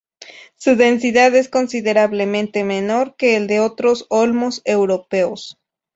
Su densidad es considerablemente menor que el de otros olmos europeos.